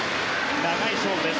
長い勝負です。